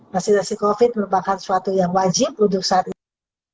vaksinasi covid merupakan suatu yang wajib untuk saat ini